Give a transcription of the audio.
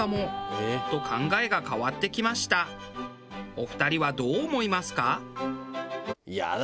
お二人はどう思いますか？